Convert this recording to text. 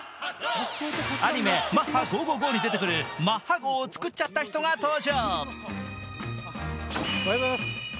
アニメ「マッハＧｏＧｏＧｏ」に出てくる、マッハ号を作っちゃった人が登場。